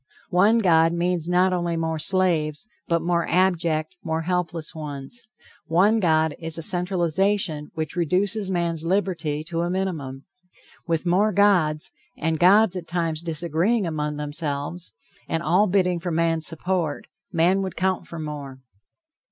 One God means not only more slaves, but more abject, more helpless ones. One God is a centralization which reduces man's liberty to a minimum. With more gods, and gods at times disagreeing among themselves, and all bidding for man's support, man would count for more.